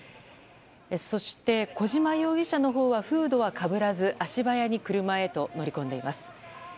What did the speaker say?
そして、小島容疑者のほうはフードはかぶらず足早に車へと乗り込んでいます。